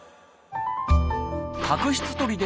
角質とりで